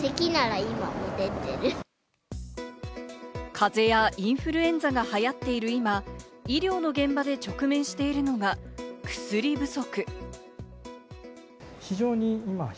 風邪やインフルエンザが流行っている今、医療の現場で直面しているのが薬不足。